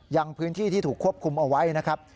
ยังพื้นที่ที่ถูกควบคุมเอาไว้นะครับ